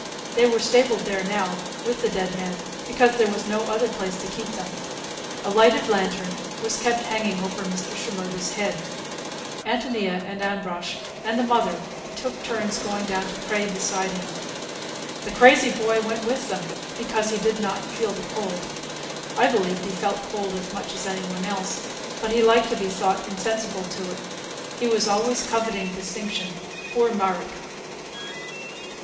They were stabled there now, with the dead man, because there was no other place to keep them. A lighted lantern was kept hanging over Mr. Shimerda's head. Ántonia and Ambrosch and the mother took turns going down to pray beside him. The crazy boy went with them, because he did not feel the cold. I believed he felt cold as much as any one else, but he liked to be thought insensible to it. He was always coveting distinction, poor Marek!